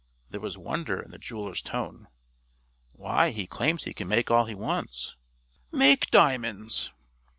There was wonder in the jeweler's tone. "Why, he claims he can make all he wants." "Make diamonds?"